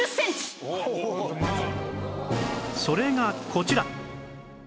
それがこちら